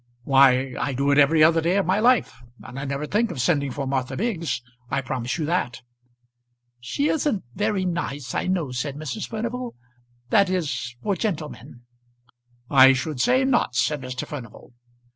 "Why; I do it every other day of my life. And I never think of sending for Martha Biggs; I promise you that." "She isn't very nice, I know," said Mrs. Furnival "that is, for gentlemen." "I should say not," said Mr. Furnival.